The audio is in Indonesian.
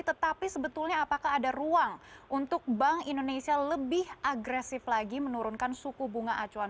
tetapi sebetulnya apakah ada ruang untuk bank indonesia lebih agresif lagi menurunkan suku bunga acuan